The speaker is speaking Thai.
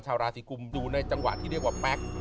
ชาวราศีกุมดูในจังหวะที่เรียกว่าแป๊ก